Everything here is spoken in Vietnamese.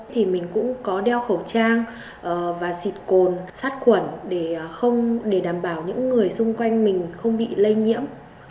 thì mình cũng có đeo khẩu trang và xịt cồn sát khuẩn để không để đảm bảo những người xung quanh mình không bị lây nhiễm